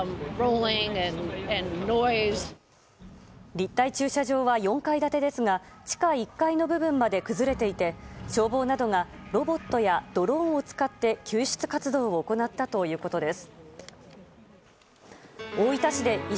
立体駐車場は４階建てですが地下１階の部分まで崩れていて消防などがロボットやドローンを使って救出活動を行ったということです。